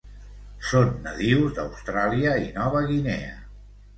Són nadius d'Austràlia i Nova Guinea.